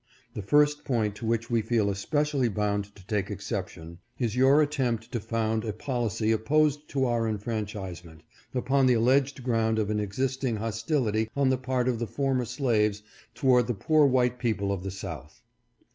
The first point to which we feel especially bound to take ex ception, is your attempt to found a policy opposed to our enfranchise ment, upon the alleged ground of an existing hostility on the part of the former slaves toward the poor white people of the South.